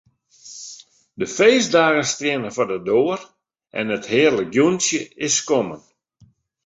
De feestdagen steane foar de doar en it hearlik jûntsje is kommen.